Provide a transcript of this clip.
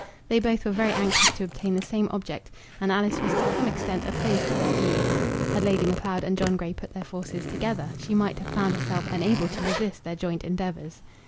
They both were very anxious to obtain the same object, and Alice was to some extent opposed to their views. Had Lady Macleod and John Grey put their forces together she might have found herself unable to resist their joint endeavours.